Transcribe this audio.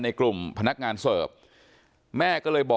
ไม่ตั้งใจครับ